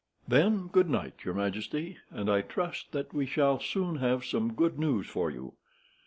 "Then, good night, your majesty, and I trust that we shall soon have some good news for you.